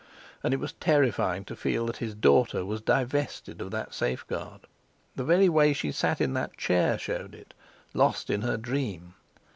And it was terrifying to feel that his daughter was divested of that safeguard. The very way she sat in that chair showed it—lost in her dream.